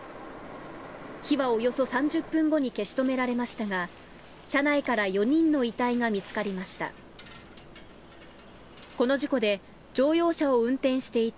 火はおよそ３０分後に消し止められましたが車内から４人の遺体が見つかりました。